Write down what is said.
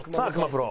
プロ。